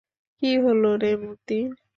কী হল রে মতি?